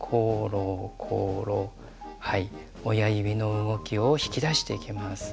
親指の動きを引き出していきます。